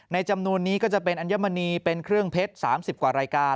จำนวนนี้ก็จะเป็นอัญมณีเป็นเครื่องเพชร๓๐กว่ารายการ